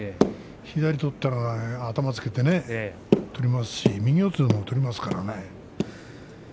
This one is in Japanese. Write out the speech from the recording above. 左取ったら頭をつけて取りますし右四つでも取りますからね。